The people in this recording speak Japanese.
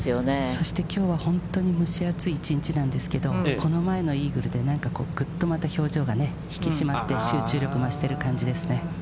そして、きょうは本当に蒸し暑い１日なんですけれども、この前のイーグルでなんか、ぐっとまた表情が引き締まって、集中もしてる感じですね。